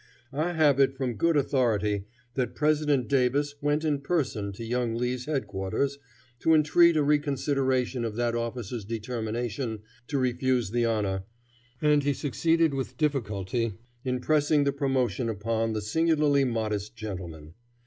I have it from good authority that President Davis went in person to young Lee's head quarters to entreat a reconsideration of that officer's determination to refuse the honor, and that he succeeded with difficulty in pressing the promotion upon the singularly modest gentleman.